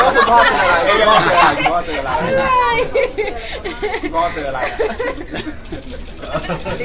พ่อเจออะไร